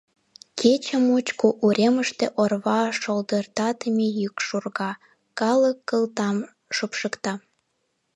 Кече мучко уремыште орва шолдыртатыме йӱк шурга — калык кылтам шупшыкта.